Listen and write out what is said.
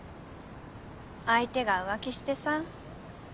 相手が浮気してさ。